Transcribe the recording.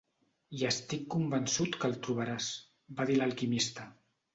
"I estic convençut que el trobaràs", va dir l'Alquimista.